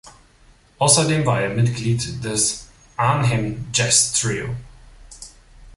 Außerdem war er Mitglied des "Arnhem Jazz Trio".